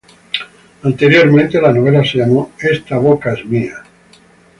Anteriormente la novela se llamó "Esta boca es mía".